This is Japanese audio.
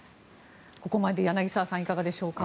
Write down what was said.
ここまで柳澤さんいかがでしょうか？